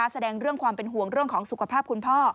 แสดงเรื่องความเป็นห่วงเรื่องของสุขภาพคุณพ่อ